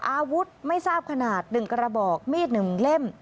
อาวุธไม่ทราบขนาด๑กระบอกมีด๑เล่ม